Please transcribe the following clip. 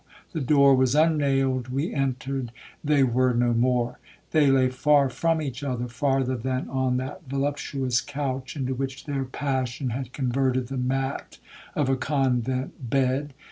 The door was unnailed, we entered,—they were no more. They lay far from each other, farther than on that voluptuous couch into which their passion had converted the mat of a convent bed.